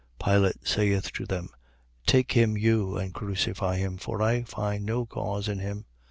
Pilate saith to them: Take him you, and crucify him: for I find no cause in him.